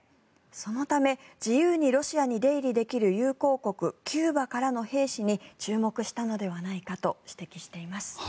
そのため、自由にロシアに出入りできる友好国キューバからの兵士に注目したのではないかと指摘しています。